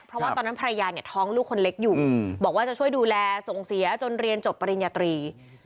เพราะว่าตอนนั้นภรรยาเนี่ยท้องลูกคนเล็กอยู่บอกว่าจะช่วยดูแลส่งเสียจนเรียนจบปริญญาตรี